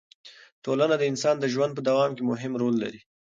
ټولنه د انسان د ژوند په دوام کې مهم رول لري.